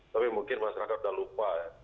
tapi mungkin masyarakat sudah lupa ya